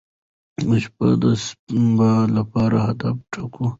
موږ به د سپما لپاره هدف ټاکو.